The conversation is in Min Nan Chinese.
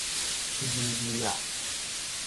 克里米亞